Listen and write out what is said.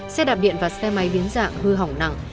xe đạp điện và xe máy biến dạng hư hỏng nặng